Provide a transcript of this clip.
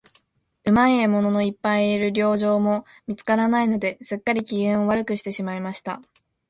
うまい獲物のいっぱいいる猟場も見つからないので、すっかり、機嫌を悪くしていました。